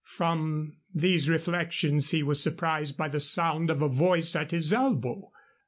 From these reflections he was surprised by the sound of a voice at his elbow.